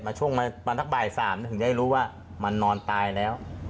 มาช่วงนั้นตั้งแต่บ่าย๓ถึงจะได้รู้ว่ามันนอนตายแล้ว